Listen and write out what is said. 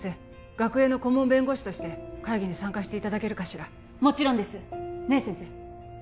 学園の顧問弁護士として会議に参加していただけるかしらもちろんですねえ先生？